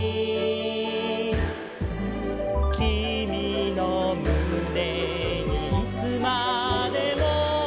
「きみのむねにいつまでも」